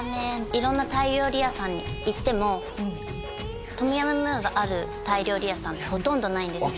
色んなタイ料理屋さんに行ってもトムヤムムーがあるタイ料理屋さんってほとんどないんですよ